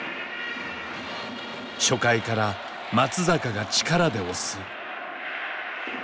初回から松坂が力で押す。